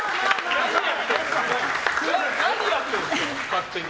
何やってんですか、勝手に。